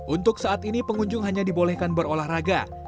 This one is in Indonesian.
untuk saat ini pengunjung hanya dibolehkan berolahraga